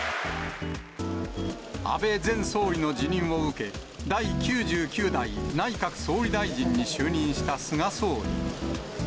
安倍前総理の辞任を受け、第９９代内閣総理大臣に就任した菅総理。